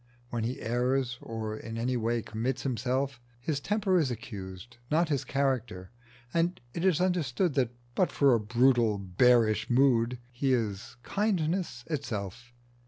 When he errs or in any way commits himself, his temper is accused, not his character, and it is understood that but for a brutal bearish mood he is kindness itself.